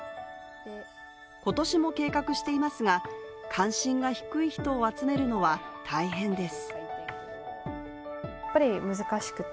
今年も計画していますが、関心が低い人を集めるのは大変です。